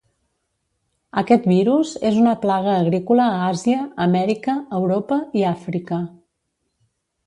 Aquest virus és una plaga agrícola a Àsia, Amèrica, Europa i Àfrica.